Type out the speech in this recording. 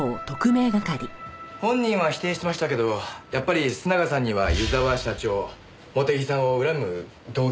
本人は否定してましたけどやっぱり須永さんには湯沢社長茂手木さんを恨む動機があります。